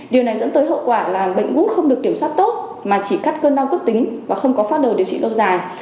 điều này dẫn tới hậu quả là bệnh gút không được kiểm soát tốt mà chỉ cắt cơn đau cấp tính và không có phát đồ điều trị lâu dài